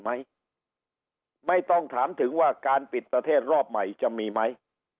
ไหมไม่ต้องถามถึงว่าการปิดประเทศรอบใหม่จะมีไหม